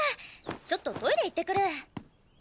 ちょっとトイレ行ってくる。